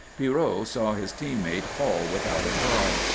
Pierrot saw his team mate fall without a cry.